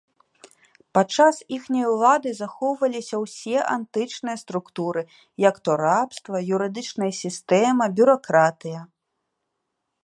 Падчас іхняй улады захоўваліся ўсе антычныя структуры як то рабства, юрыдычная сістэма, бюракратыя.